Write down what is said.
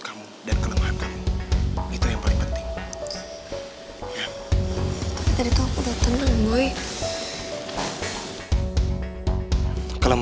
kamu dan kelemahannya itu yang paling penting itu telepon udah tenang boy